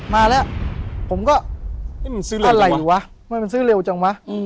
มาแล้วผมก็ซื้ออะไรวะมันซื้อเร็วจังวะ